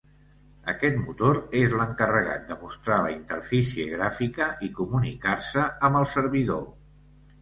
Aquest motor és l'encarregat de mostrar la interfície gràfica i comunicar-se amb el servidor.